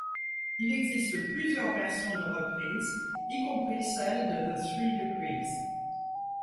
Il existe plusieurs versions de reprise, y compris celle de The Three Degrees.